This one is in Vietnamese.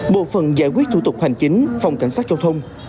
bộ phận giải quyết thủ tục hành chính phòng cảnh sát giao thông